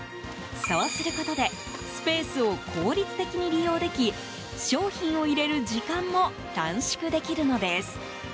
そうすることでスペースを効率的に利用でき商品を入れる時間も短縮できるのです。